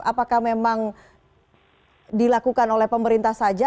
apakah memang dilakukan oleh pemerintah saja